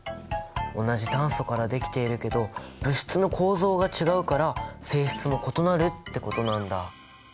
同じ炭素からできているけど物質の構造が違うから性質も異なるってことなんだ。